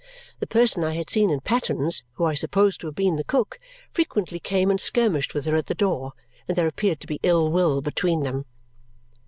The person I had seen in pattens, who I suppose to have been the cook, frequently came and skirmished with her at the door, and there appeared to be ill will between them.